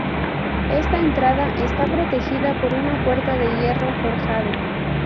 Esta entrada está protegida por una puerta de hierro forjado.